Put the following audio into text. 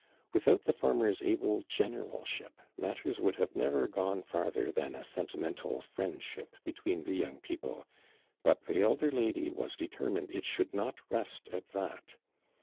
Without the former's able generalship, matters would have nevei' gone farther than 11 sentimental friendship between the young })eople, but the elder lady was determined it should not rest at that.